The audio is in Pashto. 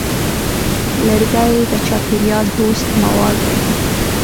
لرګی د چاپېریال دوست مواد دی.